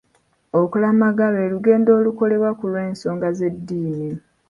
Okulamaga lwe lugendo olukolebwa ku lw'ensonga z'eddiini.